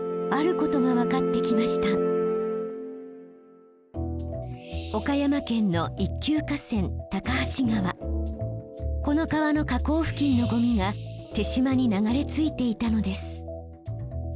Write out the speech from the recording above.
この川の河口付近のゴミが手島に流れ着いていたのです。